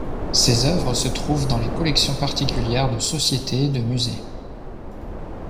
Ses œuvres se trouvent dans les collections particulières de sociétés et de musées.